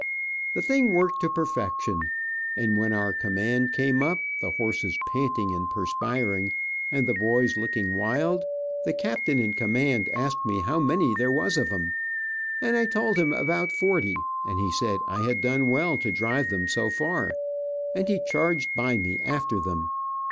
The thing worked to perfection, and when our command came up, the horses panting and perspiring, and the boys looking wild, the captain in command asked me how many there was of em, and I told him about forty, and he said I had done well to drive them so far, and he charged by me after them.